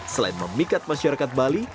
selain memikat masyarakat bali